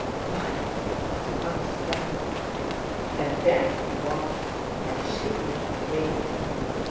Why! it was past seven! And there he was and she would be waiting.